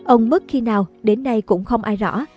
ông mất khi nào đến nay cũng không ai rõ